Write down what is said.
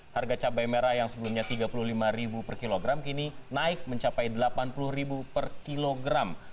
harga cabai merah yang sebelumnya rp tiga puluh lima per kilogram kini naik mencapai rp delapan puluh per kilogram